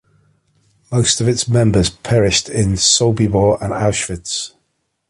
Most of its members perished in Sobibor and Auschwitz.